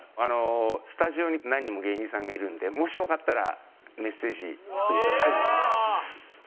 スタジオに何人も芸人さんがいるのでもしよかったらメッセージちょっといただけると。